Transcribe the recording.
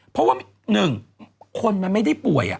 เพราะว่า๑คนมันไม่ได้ป่วย